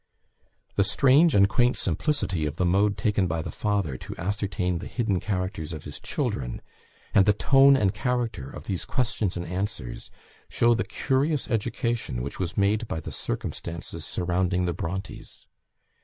The strange and quaint simplicity of the mode taken by the father to ascertain the hidden characters of his children, and the tone and character of these questions and answers, show the curious education which was made by the circumstances surrounding the Brontes.